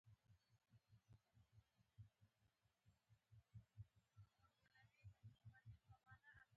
حاجي نورنګ ماما د ځنکدن په وخت کې لاسونه غورځول.